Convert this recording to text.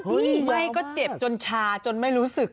เฮ้ยเหมือนก็เจ็บจนชาจนไม่รู้สึก